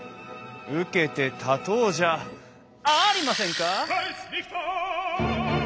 受けて立とうじゃありませんか！